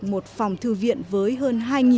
một phòng thư viện với hơn